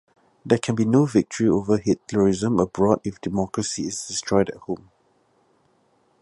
There can be no victory over Hitlerlism abroad if democracy is destroyed at home.